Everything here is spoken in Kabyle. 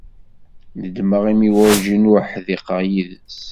Nedmeɣ imi werjin ur ḥdiqeɣ yid-s.